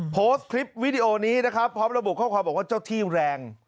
ภาพโระบุข้อบอกว่าเจ้าที่แรง